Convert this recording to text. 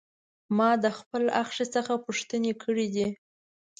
ما د خپل اخښي څخه پوښتنې کړې دي.